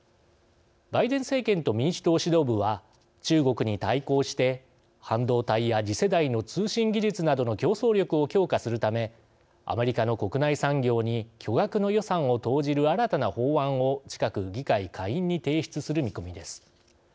バイデン政権と民主党指導部は中国に対抗して半導体や次世代の通信技術などの競争力を強化するためアメリカの国内産業に巨額の予算を投じる新たな法案を近く議会下院に提出する見込みです。